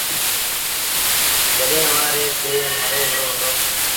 جڏهيݩ ايٚئآن رو پي مري وُهڙو هُݩدو۔